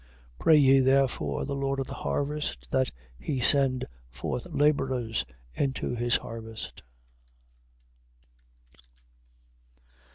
9:38. Pray ye therefore the Lord of the harvest, that he send forth labourers into his harvest.